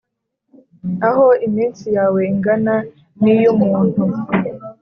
aho iminsi yawe ingana n’iy’umuntu,